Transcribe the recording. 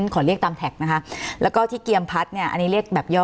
ขอเรียกตามแท็กนะคะแล้วก็ที่เกียมพัดเนี่ยอันนี้เรียกแบบย่อ